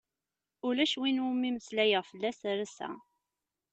Ulac win umi meslayeɣ fell-as ar ass-a.